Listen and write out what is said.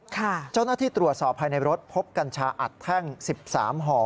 เจ้าหน้าที่ตรวจสอบภายในรถพบกัญชาอัดแท่ง๑๓ห่อ